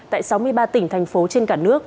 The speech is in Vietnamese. tại sáu mươi ba tỉnh thành phố trên cả nước